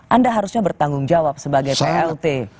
anda harusnya bertanggung jawab sebagai plt